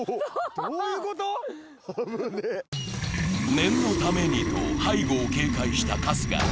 念のためにと背後を警戒した春日。